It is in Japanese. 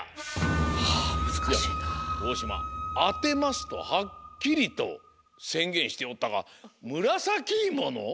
「あてます」とはっきりとせんげんしておったがむらさきいもの？